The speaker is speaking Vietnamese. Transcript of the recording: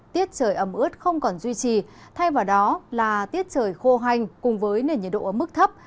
tiết trời ấm ướt không còn duy trì thay vào đó là tiết trời khô hành cùng với nền nhiệt độ ấm mức thấp